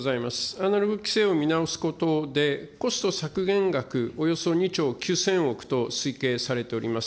アナログ規制を見直すことで、コスト削減額およそ２兆９０００億と推計をされております。